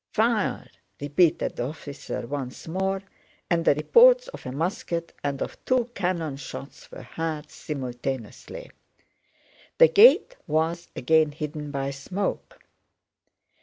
"Fire!" repeated the officer once more, and the reports of a musket and of two cannon shots were heard simultaneously. The gate was again hidden by smoke.